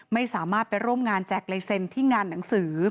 ไม่สามารถไปร่วมงานแจกลายเซ็นต์ที่งานหนังสือ